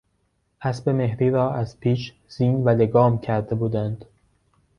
اسب مهری را از پیش زین و لگام کرده بودند.